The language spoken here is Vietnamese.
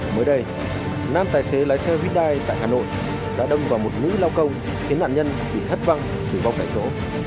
mới đây nam tài xế lái xe huy đai tại hà nội đã đâm vào một ngũ lao công khiến nạn nhân bị hất văng tử vong tại chỗ